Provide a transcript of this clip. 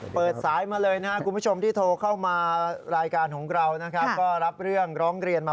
เปิดสายมาเลยนะคะคุณผู้ชมที่โทรเข้ามารายการของเรา